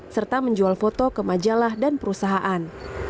serta menjual foto ke majalah dan perusahaan